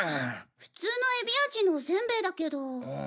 普通のエビ味のおせんべいだけど。